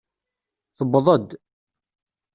Tewweḍ-d.